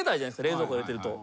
冷蔵庫入れてると。